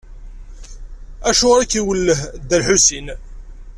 Acu iɣer i k-iwelleh Dda Lḥusin?